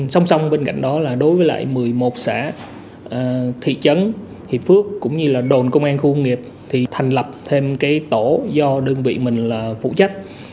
song song bên cạnh đó là đối với lại một mươi một xã thị trấn hiệp phước cũng như là đồn công an khu công nghiệp thì thành lập thêm cái tổ do đơn vị mình là phụ trách